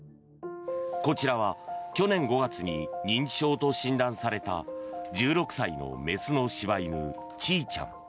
こちらは去年５月に認知症と診断された１６歳の雌の柴犬、ちいちゃん。